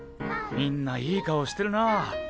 みんないい顔してるなぁ。